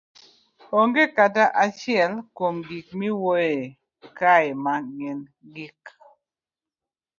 Onge kata achiel kuom gik miwuoyoe kae ma gin gik